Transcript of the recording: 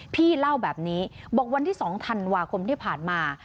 พี่เล่าแบบนี้บอกวันที่๒ธันวาคมที่ผ่านมา